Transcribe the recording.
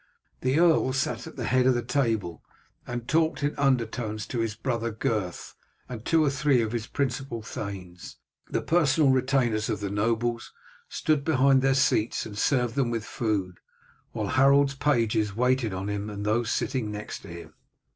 The earl sat at the head of the table, and talked in undertones to his brother Gurth and two or three of his principal thanes. The personal retainers of the nobles stood behind their seats and served them with food, while Harold's pages waited on him and those sitting next to him.